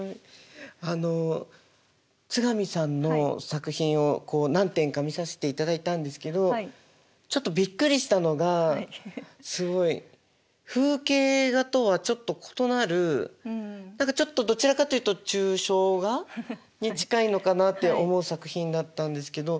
あの津上さんの作品を何点か見させていただいたんですけどちょっとびっくりしたのがすごい風景画とはちょっと異なる何かちょっとどちらかというと抽象画に近いのかなって思う作品だったんですけど。